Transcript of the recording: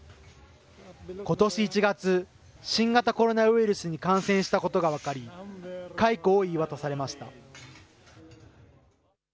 ことし１月、新型コロナウイルスに感染したことが分かり、解雇を言い渡されました。